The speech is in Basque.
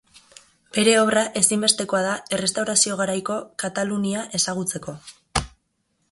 Bere obra ezinbestekoa da Errestaurazio-garaiko Katalunia ezagutzeko.